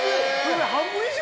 半分以上！？